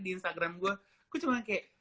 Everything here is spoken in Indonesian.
di instagram gue gue cuma kayak